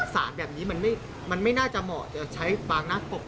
สารแบบนี้มันไม่น่าจะเหมาะจะใช้บางหน้าตก